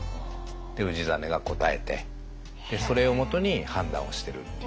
で氏真が答えてそれをもとに判断をしてるっていう。